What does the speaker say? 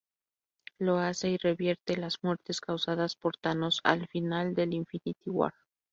Lo hace y revierte las muertes causadas por Thanos al final de "Infinity War".